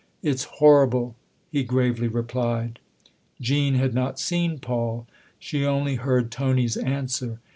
" It's horrible," he gravely replied. Jean had not seen Paul ; she only heard Tony's answer.